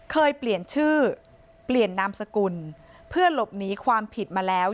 เคยเปลี่ยนชื่อเปลี่ยนนามสกุลเพื่อหลบหนีความผิดมาแล้ว